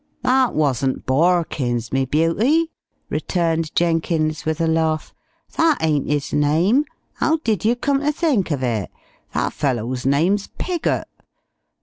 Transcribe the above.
"That wasn't Borkins, me beauty," returned Jenkins with a laugh. "That ain't his name. 'Ow did you come ter think of it? That fellow's name's Piggott.